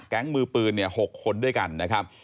มือปืน๖คนด้วยกันนะครับ